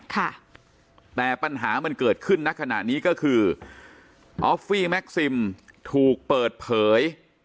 ค่ะแต่ปัญหามันเกิดขึ้นณขณะนี้ก็คือออฟฟี่แม็กซิมถูกเปิดเผย